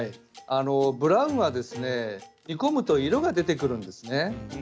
ブラウンは煮込むと色が出てくるんですね。